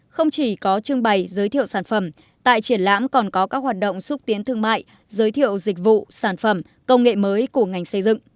không chỉ có trưng bày giới thiệu sản phẩm tại triển lãm còn có các hoạt động xúc tiến thương mại giới thiệu dịch vụ sản phẩm công nghệ mới của ngành xây dựng